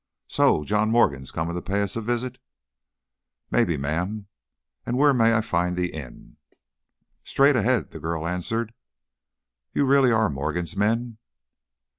So John Morgan's coming to pay us a visit?" "Maybe, ma'am. And where may I find the inn?" "Straight ahead," the girl answered. "You really are Morgan's men?"